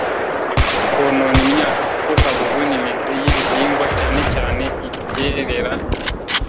konona imyaka kuko kaguguna imizi y'ibihingwa cyanecyane ibyerera